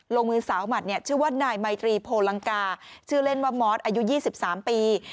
ลงมือสาวหมัดเนี่ยชื่อว่านายไมตรีโพลังกาชื่อเล่นว่ามอสอายุ๒๓ปี